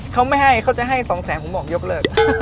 เขาไม่ให้เขาจะให้สองแสนผมบอกยกเลิก